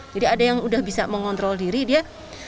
jadi ada yang udah bisa mengontrol diri dia